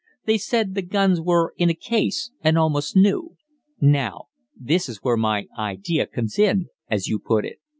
They said the guns were in a case, and almost new. Now, this is where my idea 'comes in,' as you put it.